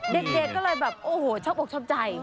เด็กก็เลยแบบโอ้โหชอบอกชอบใจ